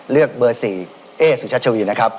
เลือกเดินทางเบอร์๔เอ๊ะสุชัชวีนะครับ